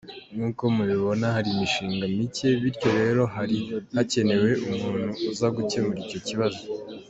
Nkuko mubibona hari imishinga mike, bityo rero hari hakenewe umuntu uza gukemura icyo kibazo.